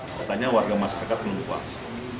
katanya warga masyarakat belum puas